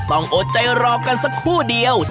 ต้องโอดใจรอกกันสักครู่เดียว